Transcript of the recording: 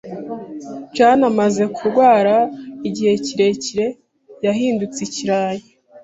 Jane amaze kurwara igihe kirekire, yahindutse ikirayi.